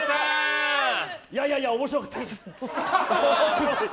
いやいや、面白かったです。